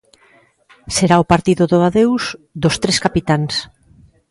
Será o partido do adeus dos tres capitáns.